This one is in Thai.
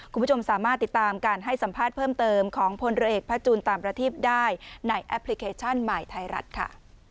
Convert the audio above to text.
คุณผู้ชมสามารถติดตามการให้สัมภาษณ์เพิ่มเติมของพลเรือเอกพระจูนตามประทีพได้ในแอปพลิเคชันใหม่ไทยรัฐค่ะ